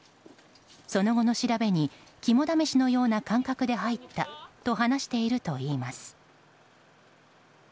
その後の調べに肝試しのような感覚で入ったと話しているといいます。